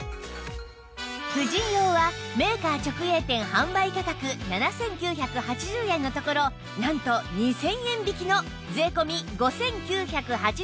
婦人用はメーカー直営店販売価格７９８０円のところなんと２０００円引きの税込５９８０円